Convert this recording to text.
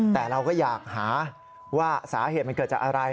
แต่เราก็อยากหาว่าสาเหตุมันเกิดจากอะไร